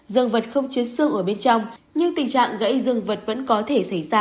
dương vật không chứa xương ở bên trong nhưng tình trạng gãy dương vật vẫn có thể xảy ra